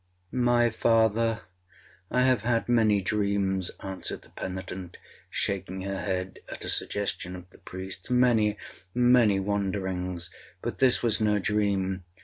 'My father, I have had many dreams,' answered the penitent, shaking her head at a suggestion of the priest's, 'many—many wanderings, but this was no dream.